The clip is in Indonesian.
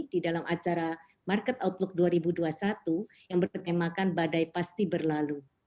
di dalam acara market outlook dua ribu dua puluh satu yang bertemakan badai pasti berlalu